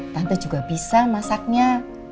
tante juga bisa masaknya